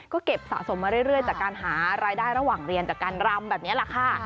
ก็เก็บสะสมมาเรื่อยจากการหารายได้ระหว่างเรียนจากการรำแบบนี้แหละค่ะ